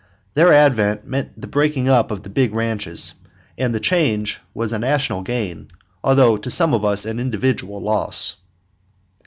Their advent meant the breaking up of the big ranches; and the change was a National gain, although to some of us an individual loss.